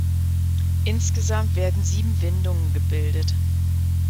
Insgesamt werden sieben Windungen gebildet.